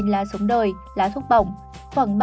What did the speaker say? bảy chín lá sống đời lá thuốc bỏng